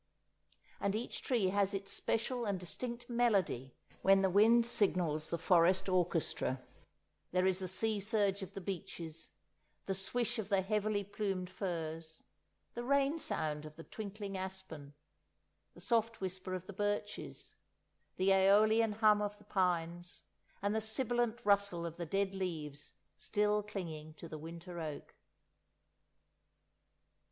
And each tree has its special and distinct melody when the wind signals the forest orchestra; there is the sea surge of the beeches, the swish of the heavily plumed firs, the rain sound of the twinkling aspen, the soft whisper of the birches, the æolian hum of the pines, and the sibilant rustle of the dead leaves still clinging to the winter oak.